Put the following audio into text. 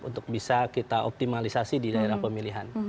untuk bisa kita optimalisasi di daerah pemilihan